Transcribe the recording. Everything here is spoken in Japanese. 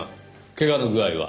怪我の具合は？